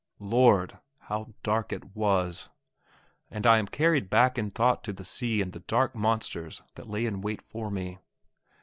Lord! how dark it was! and I am carried back in thought to the sea and the dark monsters that lay in wait for me.